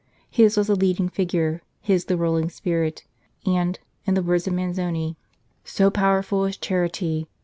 His was the leading figure, his the ruling spirit, and, in the words of Manzoni :" So powerful is Charity